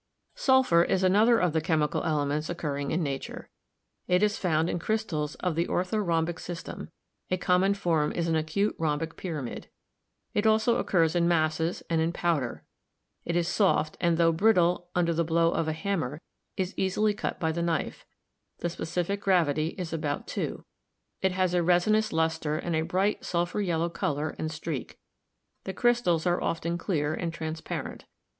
Sulphur is another of the chemical elements occurring in nature. It is found in crystals of the orthorhombic system ; a common form is an acute rhombic pyramid. It also occurs in masses and in powder. It is soft and, tho brittle under the blow of a hammer, is easily cut by the knife; the specific gravity is about 2. It has a resinous luster and a bright sulphur yellow color and streak. The crystals are often clear and transparent.